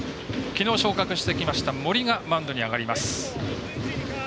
きのう昇格してきました森がマウンドに上がります。